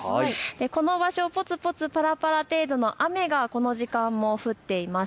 この場所、ぽつぽつぱらぱら程度の雨がこの時間も降っています。